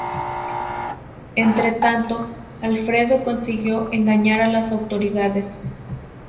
Entretanto, Alfredo consiguió "engañar a las autoridades".